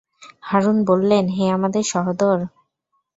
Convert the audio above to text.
হারূন বললেন, হে আমার সহোদর!